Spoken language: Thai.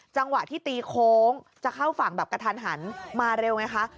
จังหวะที่ตีโค้งจะเข้าฝั่งตะถานหันมาเร็วนะคะ